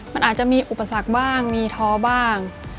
มันอาจจะมีอุปสรรคบ้างมีท้อบ้าง